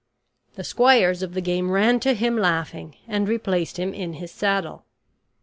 The squires of the game ran to him laughing, and replaced him in his saddle.